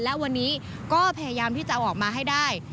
และวันนี้ก็พยายามที่จะเอาออกมาให้ได้